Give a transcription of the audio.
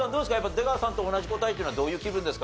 出川さんと同じ答えっていうのはどういう気分ですか？